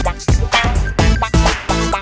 ไม่รู้ได้ซ้ำคำถามคืออะไร